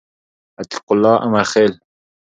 عتیق الله امرخیل